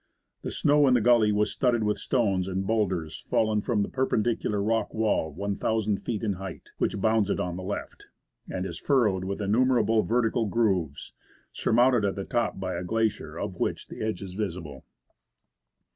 The snow in the gully was studded with stones and boulders fallen from the perpen dicular rock wall 1,000 feet in height, which bounds it on the left, and is furrowed with innumer eible vertical grooves, sur mounted at the top by a glacier, of which the edge is visible.